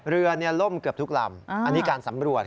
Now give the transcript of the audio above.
เรือล่มเกือบทุกลำอันนี้การสำรวจ